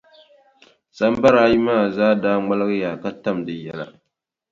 Sambara ayi maa zaa daa ŋmaligiya, ka tam di yɛla.